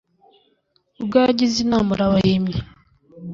ubwo yagize inama urabahimye.